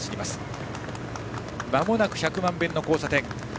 まもなく百万遍の交差点。